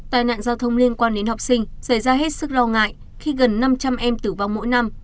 tài nạn giao thông liên quan đến học sinh xảy ra hết sức lo ngại khi gần năm trăm linh em tử vong mỗi năm